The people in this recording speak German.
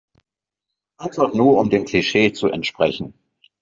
Einfach nur um dem Klischee zu entsprechen.